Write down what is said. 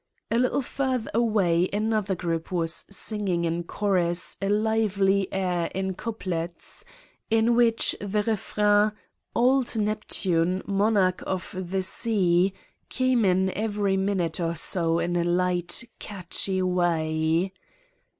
A little further away another group was singing in chorus a lively air in couplets, in which the refrain: "Old Neptune, Monarch of the Sea," came in every minute or so in a light, catchy way.